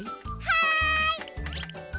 はい！